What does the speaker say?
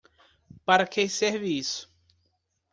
Para que serve isso?